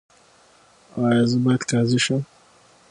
ایا زه باید قاضي شم؟